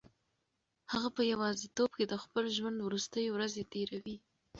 هغه په یوازیتوب کې د خپل ژوند وروستۍ ورځې تېروي.